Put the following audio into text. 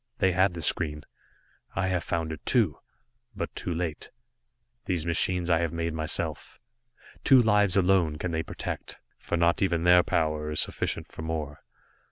They had the screen, I have found it, too but too late. These machines I have made myself. Two lives alone they can protect, for not even their power is sufficient for more.